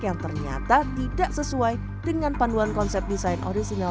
yang ternyata tidak sesuai dengan panduan konsep desain orisinal